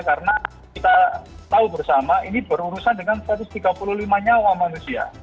karena kita tahu bersama ini berurusan dengan satu ratus tiga puluh lima nyawa manusia